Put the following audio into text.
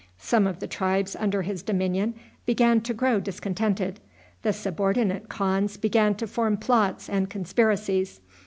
Some of the tribes under his dominion began to grow discontented. The subordinate khans began to form plots and conspiracies.